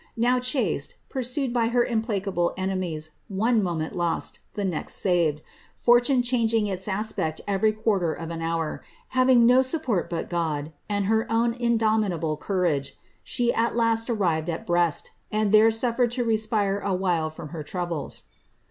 Nuw chased, pursued by her implacable enemies, one moment lust, the next saved, fortune changing its aspect eTery quarter of an hour, having no Mipjiort 1>ut God an«] her own indomitable courage, — frhe at last arrived at Bre«t, and there was suffered to respire awhile from hei troubles.